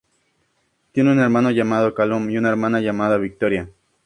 Tiene un hermano llamado Calum y una hermana llamada Victoria.